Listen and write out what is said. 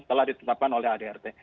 telah ditetapkan oleh adrt